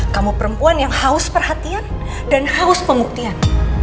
kamu perempuan yang haus perhatian dan haus pembuktian